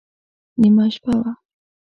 نیمه شپه وه.